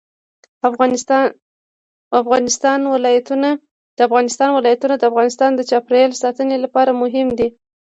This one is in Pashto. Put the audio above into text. د افغانستان ولايتونه د افغانستان د چاپیریال ساتنې لپاره مهم دي.